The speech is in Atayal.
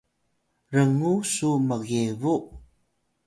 rngu su mgyebu!